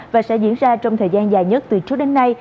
và sẽ diễn ra trong thời gian dài nhất từ trước đến nay